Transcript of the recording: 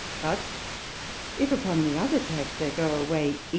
But if upon the other Tack they go away E.